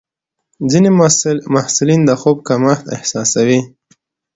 ځینې محصلین د خوب کمښت احساسوي.